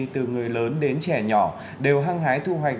từ người lớn đến trẻ nhỏ đều hăng hái thu hoạch